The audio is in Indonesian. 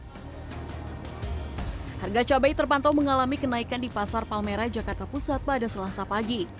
hai harga cabai terpantau mengalami kenaikan di pasar palmera jakarta pusat pada selasa pagi